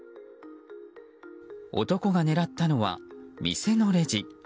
男が狙ったのは店のレジ。